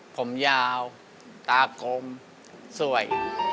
ผมยาวตากลมสวย